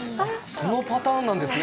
そのパターンなんですね